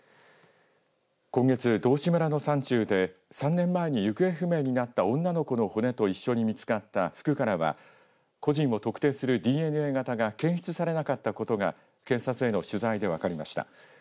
今月、道志村の山中で３年前に行方不明になった女の子の骨と一緒に見つかった服からは個人を特定するＤＮＡ型が検出されなかったことが警察への取材で分かりました。